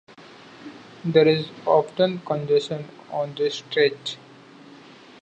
There is often congestion on this stretch.